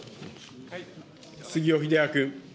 杉尾秀哉君。